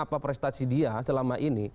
apa prestasi dia selama ini